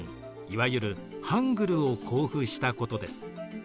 いわゆるハングルを公布したことです。